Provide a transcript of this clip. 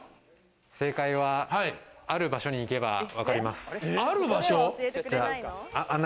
正解は、ある場所に行けばわかります。